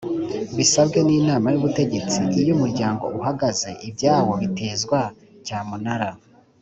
bisabwe n’ inama y’ ubutegetsi iyo umuryango uhagaze ibyawo bitezwa cyamunara.